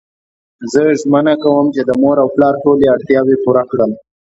زه ژمنه کوم چی د مور او پلار ټولی اړتیاوی پوره کړم